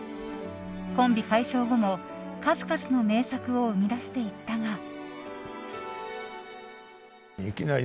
コンビ解消後も数々の名作を生み出していったが。